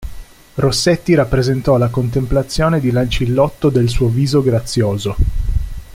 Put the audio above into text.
Rossetti rappresentò la contemplazione di Lancillotto del suo "viso grazioso".